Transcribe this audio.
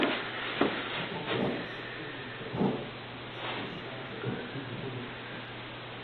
En tant que fils aîné de la famille, cette charge aurait dû lui revenir.